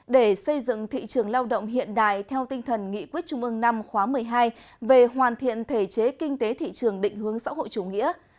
để xây dựng thị trường lao động hiện đại theo tinh thần nghị quyết trung ương năm khóa một mươi hai về hoàn thiện thể chế kinh tế thị trường định hướng xã hội chủ nghĩa